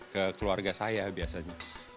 ke keluarga saya biasanya